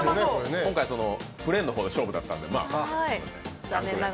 今回、プレーンの方の勝負だったんで。